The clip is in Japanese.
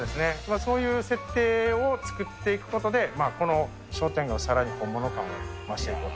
そういう設定を作っていくことで、この商店街をさらに本物感を増していこうと。